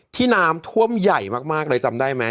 ที่น้ำท่วมใหญ่มากเลยจำได้ไหม